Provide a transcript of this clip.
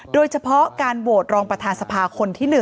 โดยเฉพาะการโหวตรองประธานสภาคนที่๑